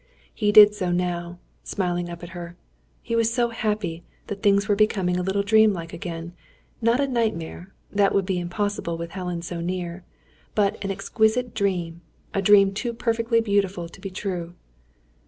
He did so now, smiling up at her. He was so happy, that things were becoming a little dream like again; not a nightmare that would be impossible with Helen so near but an exquisite dream; a dream too perfectly beautiful to be true.